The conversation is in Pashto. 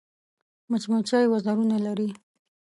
مچمچۍ وزرونه لري